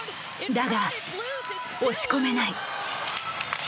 だが押し込めない。